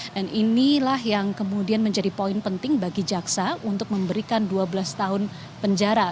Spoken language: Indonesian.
inilah yang kemudian menjadi poin penting bagi jaksa untuk memberikan dua belas tahun penjara